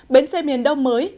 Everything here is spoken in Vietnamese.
bến xe miền đông mới